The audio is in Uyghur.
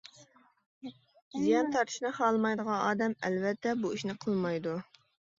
زىيان تارتىشنى خالىمايدىغان ئادەم ئەلۋەتتە بۇ ئىشنى قىلمايدۇ.